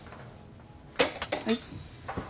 はい。